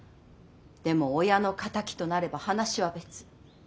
でも親の敵となれば話は別。